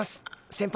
先輩？